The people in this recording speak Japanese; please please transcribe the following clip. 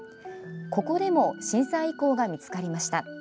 ここでも震災遺構が見つかりました。